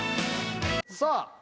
さあ